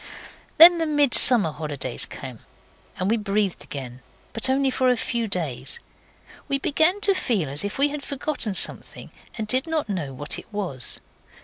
Then the Midsummer holidays came, and we breathed again but only for a few days. We began to feel as if we had forgotten something, and did not know what it was.